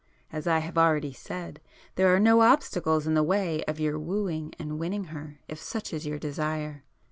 As I have already said, there are no obstacles in the way of your wooing and winning her, if such is your desire.